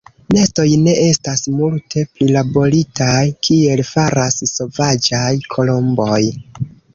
Nestoj ne estas multe prilaboritaj kiel faras sovaĝaj kolomboj.